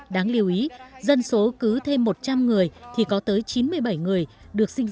đáng lưu ý dân số cứ thêm một trăm linh người thì có tới chín mươi bảy người được sinh ra